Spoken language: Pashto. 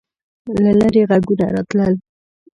له لیرې غږونه راتلل.